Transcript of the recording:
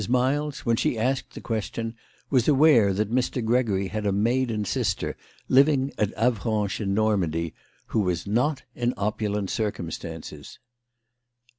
Miles, when she asked the question, was aware that Mr. Gregory had a maiden sister, living at Avranches in Normandy, who was not in opulent cir cumstances.